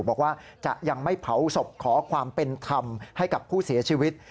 บอกว่าจะยังไม่เผาศพขอความเป็นธรรมให้กับผู้เสียชีวิต